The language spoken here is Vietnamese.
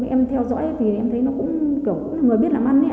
em theo dõi thì em thấy nó cũng kiểu người biết làm ăn đấy ạ